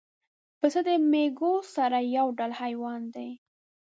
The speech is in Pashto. پسه د مېږو سره یو ډول حیوان دی.